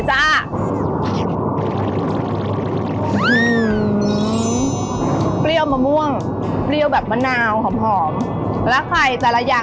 จะบอกว่ามันหอมนะทุกคน